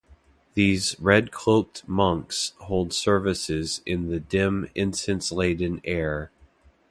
These red-cloaked monks hold services in the dim incense-laden air.